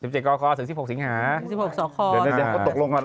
ตกลงยังไง